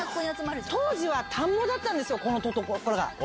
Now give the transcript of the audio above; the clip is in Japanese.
当時は田んぼだったんですここの所が。